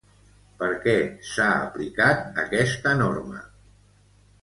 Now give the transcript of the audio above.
Per què s'ha aplicat aquesta norma?